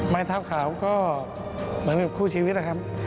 ไม้เท้าขาวก็เหมือนคู่ชีวิตนะครับ